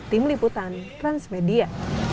tim liputan transmedia